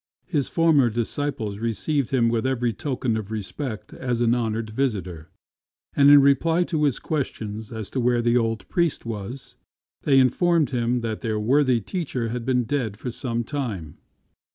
His former disciples received him with every token of respect as an honoured visitor ; and in reply to his question as to where the old priest was, they informed him that their worthy teacher had been dead for some time.